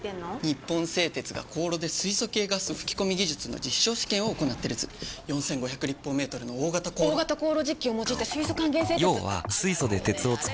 日本製鉄が高炉で素系ガス吹き込み技術の実証試験を行っている図苅毅娃立方メートルの大型高炉大型高炉実機を用いた素還元製鉄！